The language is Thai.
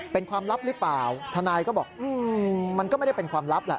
เป็นความลับหรือเปล่าทนายก็บอกมันก็ไม่ได้เป็นความลับแหละ